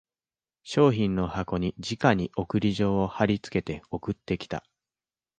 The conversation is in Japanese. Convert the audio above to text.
商品の箱にじかに送り状を張りつけて送ってきた